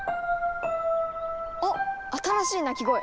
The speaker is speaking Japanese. あっ新しい鳴き声。